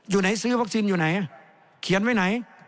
อยู่ไหนซื้อวัคซีนอยู่ไหนเขียนไว้ไหน